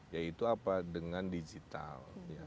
yaitu apa dengan digital